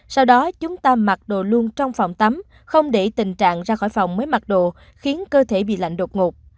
sau đó chúng ta mặc đồ luôn trong phòng tắm không để tình trạng ra khỏi phòng mới mặc đồ khiến cơ thể bị lạnh đột ngột